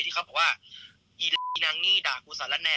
ที่เค้าบอกว่าแหละยินางด่ะกูสักละแน